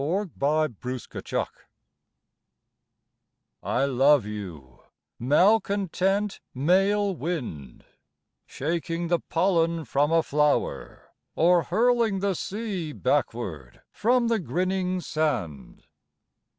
NORTH WIND I love you, malcontent Male wind Shaking the pollen from a flower Or hurling the sea backward from the grinning sand.